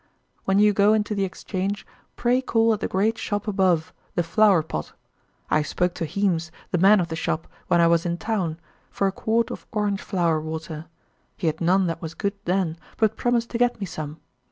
When you go into the Exchange, pray call at the great shop above, "The Flower Pott." I spoke to Heams, the man of the shop, when I was in town, for a quart of orange flower water; he had none that was good then, but promised to get me some.